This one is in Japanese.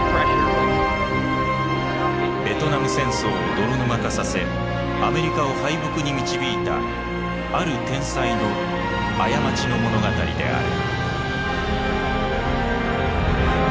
ベトナム戦争を泥沼化させアメリカを敗北に導いたある天才の過ちの物語である。